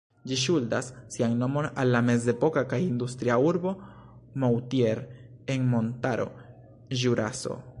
Ĝi ŝuldas sian nomon al la mezepoka kaj industria urbo Moutier en montaro Ĵuraso.